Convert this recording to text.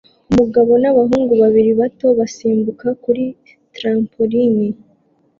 Umugabo nabahungu babiri bato basimbuka kuri trampoline